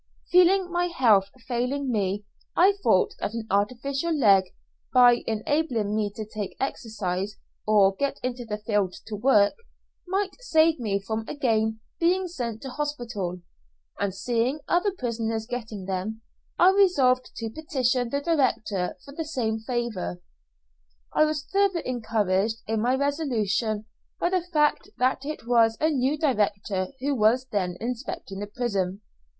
Feeling my health failing me, I thought that an artificial leg, by enabling me to take exercise, or get into the fields to work, might save me from again being sent to hospital; and seeing other prisoners getting them, I resolved to petition the director for the same favour. I was further encouraged in my resolution by the fact that it was a new director who was then inspecting the prison.